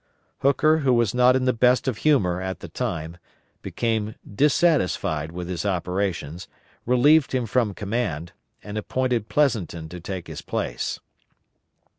Hooker, who was not in the best of humor at the time, became dissatisfied with his operations, relieved him from command, and appointed Pleansonton to take his place.